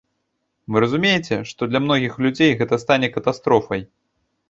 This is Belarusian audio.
Вы разумееце, што для многіх людзей гэта стане катастрофай?